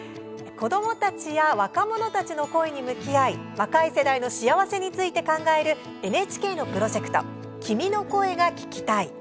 子どもたちや若者たちの声に向き合い若い世代の幸せについて考えるＮＨＫのプロジェクト「君の声が聴きたい」。